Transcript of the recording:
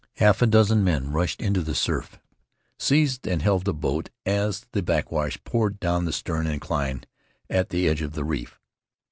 Half a dozen men rushed into the surf, seized and held the boat as the backwash poured down the steep incline at the edge of the reef.